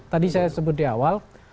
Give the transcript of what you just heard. tadi saya sebut di awal